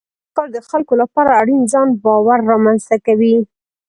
دا کار د خلکو لپاره اړین ځان باور رامنځته کوي.